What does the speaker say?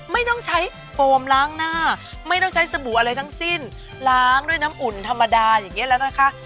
ไม่ต้องใช้โฟมล้างหน้าไม่ต้องใช้สบู่อะไรทั้งสิ้นล้างด้วยน้ำอุ่นธรรมดาอย่างนี้แล้วนะคะ